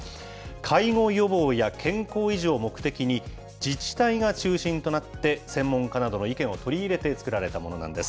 介護予防や健康維持を目的に、自治体が中心となって、専門家などの意見を取り入れて作られたものなんです。